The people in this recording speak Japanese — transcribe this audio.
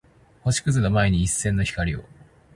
星屑の前に一閃の光を